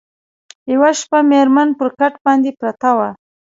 یوه شپه مېرمن پر کټ باندي پرته وه